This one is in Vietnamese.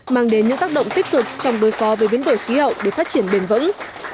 mang đến những tác động tích cực trong đối phó với biến đổi khí hậu để phát triển bền vững